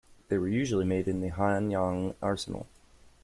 They were usually made in the Hanyang Arsenal.